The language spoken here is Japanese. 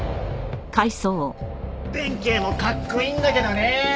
弁慶もかっこいいんだけどね。